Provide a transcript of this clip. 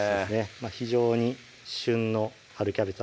非常に旬の春キャベツ